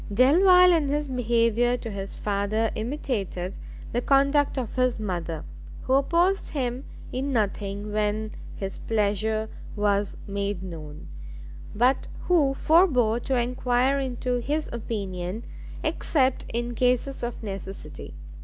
Delvile in his behaviour to his father imitated the conduct of his mother, who opposed him in nothing when his pleasure was made known, but who forbore to enquire into his opinion except in cases of necessity.